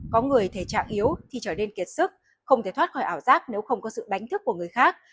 có người thể trạng yếu thì trở nên kiệt sức không thể thoát khỏi ảo giác nếu không có sự đánh thức của người khác